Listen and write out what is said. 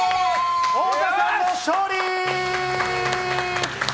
太田さんの勝利！